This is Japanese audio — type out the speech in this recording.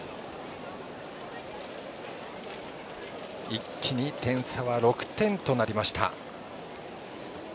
一気に点差は６点となりました。